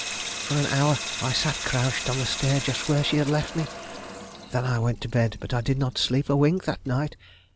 For an hour I sat crouched on the stair just where she had left me. Then I went to bed, but I did not sleep a wink that night.